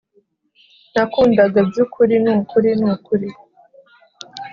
Nagukundaga byukuri Nukuri (Nukuri)